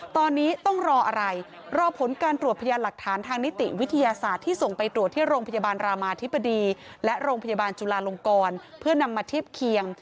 ตอนนี้ต้องรออะไรรอผลการตรวจพยานหลักฐานทางนิติวิทยาศาสตร์ที่ส่งไปตรวจที่โรงพยาบาลรามาธิบดีและโรงพยาบาลจุลาลงกรเพื่อนำมาเทียบเคียง